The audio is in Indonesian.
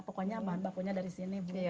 pokoknya mbak punya dari sini bu